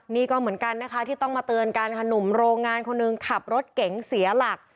นี่ก็เหมือนกันนะคะที่ต้องมาเตือนกันค่ะหนุ่มโรงงานคนหนึ่งขับรถเก๋งเสียหลัก